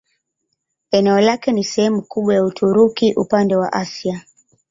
Eneo lake ni sehemu kubwa ya Uturuki upande wa Asia.